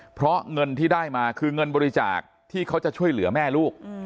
เพราะเงินที่ได้มาคือเงินบริจาคที่เขาจะช่วยเหลือแม่ลูก